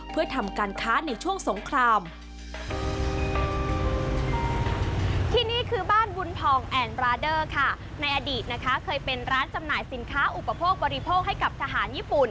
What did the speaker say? โดยมีนายบุญพองศิริเวชภัณฑ์เป็นเจ้าของร้านค่ะ